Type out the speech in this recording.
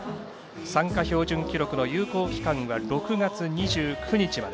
参加標準記録の有効期間は６月２９日まで。